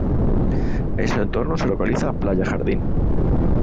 En su entorno se localiza Playa Jardín.